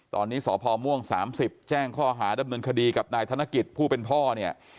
ตอนนี้สพม่วง๓๐แจ้งข้อหาดำเนินคดีกับนายธนกิจผู้เป็นพ่อเนี่ย